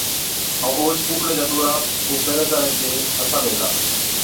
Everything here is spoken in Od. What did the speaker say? ائُون اوهچ ڦوڪڻي چا ڏورا او پهريدارا چي هٿا ۾ هِلا۔